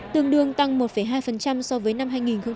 tương đương tăng một hai so với năm hai nghìn một mươi bảy